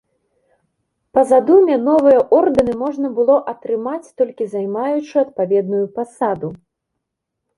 Па задуме новыя ордэны можна было атрымаць, толькі займаючы адпаведную пасаду.